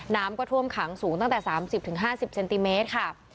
น้ำก็ท่วมขังสูงตั้งแต่สามสิบถึงห้าสิบเซนติเมตรค่ะ